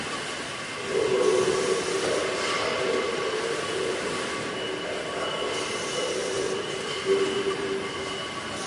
Heródoto, considerado como el padre de la Historia nació en Halicarnaso, actual Bodrum.